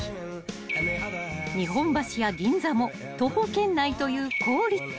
［日本橋や銀座も徒歩圏内という好立地］